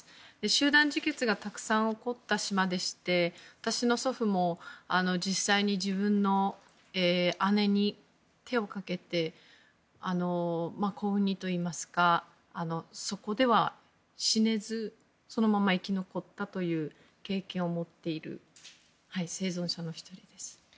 集団自決がたくさん起こった島でして私の祖父も実際に自分の姉に手をかけてそこでは死ねずそのまま生き残ったという経験を持っている生存者の１人です。